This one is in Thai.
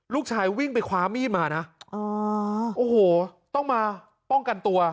ลูกชายวิ่งไปคว้ามีดมานะโอ้โหต้องมาป้องกันตัว